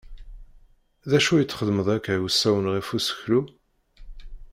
D acu i txeddmeḍ akka usawen ɣef useklu?